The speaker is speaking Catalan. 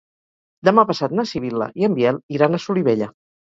Demà passat na Sibil·la i en Biel iran a Solivella.